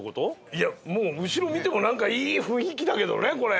いやもう後ろ見てもなんかいい雰囲気だけどねこれ。